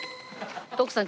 徳さん